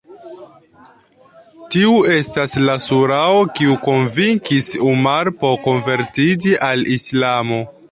Tiu estas la Surao kiu konvinkis Umar por konvertiĝis al Islamo.